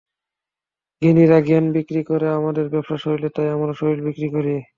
জ্ঞানীরা জ্ঞান বিক্রি করে, আমাদের ব্যবসা শরীরের তাই আমরা শরীর বিক্রি করি।